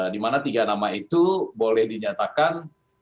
di mana tiga nama itu boleh dinyatakan